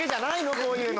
こういうの。